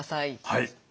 はい。